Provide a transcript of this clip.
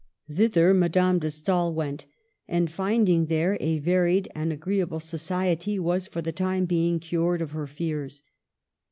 Thither Madame de Stagl went, and finding there a varied and agreeable society, was for the time being cured of her fears.